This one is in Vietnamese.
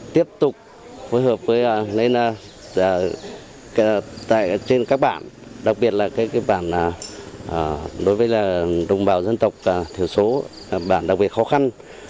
tiếp tục phối hợp với lên trên các bản đặc biệt là bản đối với đồng bào dân tộc thiểu số bản đặc biệt khó khăn